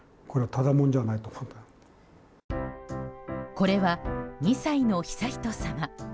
これは、２歳の悠仁さま。